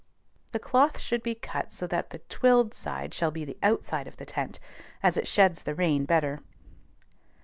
The cloth should be cut so that the twilled side shall be the outside of the tent, as it sheds the rain better.